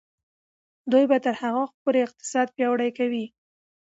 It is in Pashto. دوی به تر هغه وخته پورې اقتصاد پیاوړی کوي.